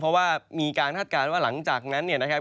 เพราะว่ามีการคาดการณ์ว่าหลังจากนั้นเนี่ยนะครับ